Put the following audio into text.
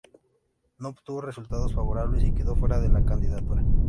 No obtuvo resultados favorables y quedó fuera de la candidatura.